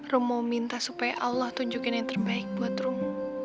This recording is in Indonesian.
rum mau minta supaya allah tunjukin yang terbaik buat rum